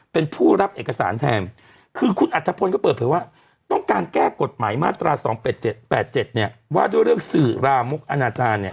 เพราะว่าคนก็เห็นต่างกันสองมุมนะ